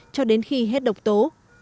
cho đến khi hết độc tố